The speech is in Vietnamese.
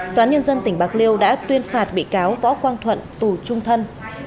toán nhân dân tỉnh bạc liêu đã tuyên phạt bị cáo võ quang thuận tù trung thân